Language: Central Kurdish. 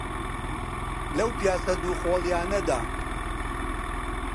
لەو پیاسە دووقۆڵییانەدا،